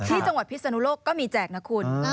ที่จังหวัดพิศนุโลกก็มีแจกนะคุณ